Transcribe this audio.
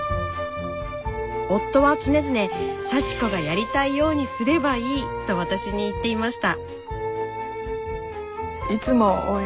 夫は常々「幸子がやりたいようにすればいい」と私に言っていました。